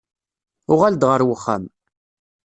Uɣal-d ɣer wexxam.